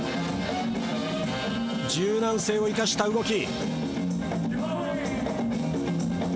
柔軟性を生かした動き。